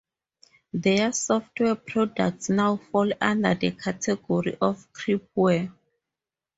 Their software products now fall under the category of crippleware.